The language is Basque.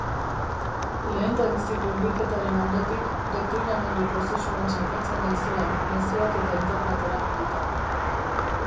Lehendabiziko hurbilketaren ondotik, doktrinamendu prozesuan sakontzen ei zuen mezuak eta internet erabilita.